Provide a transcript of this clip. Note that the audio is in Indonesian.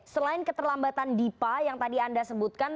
selain keterlambatan dipa yang tadi anda sebutkan